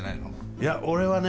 いや俺はね